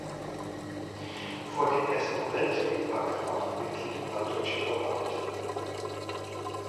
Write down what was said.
Vor dem Ersten Weltkrieg war Graf Mitglied im Alldeutschen Verband.